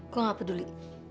gue gak peduli